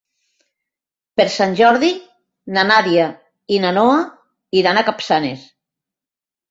Per Sant Jordi na Nàdia i na Noa iran a Capçanes.